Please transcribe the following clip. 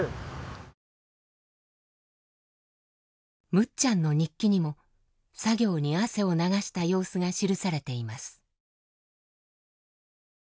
むっちゃんの日記にも作業に汗を流した様子が記されています。